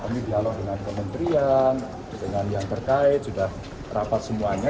kami dialog dengan kementerian dengan yang terkait sudah rapat semuanya